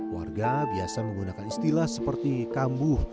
warga biasa menggunakan istilah seperti kambuh